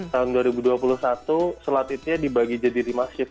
tahun dua ribu dua puluh satu sholat idnya dibagi jadi di masjid